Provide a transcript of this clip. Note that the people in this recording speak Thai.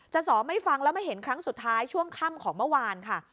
สอไม่ฟังแล้วมาเห็นครั้งสุดท้ายช่วงค่ำของเมื่อวานค่ะ